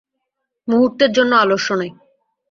মুহূর্তের জন্য আলস্য নাই।